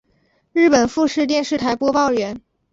日本富士电视台播报员。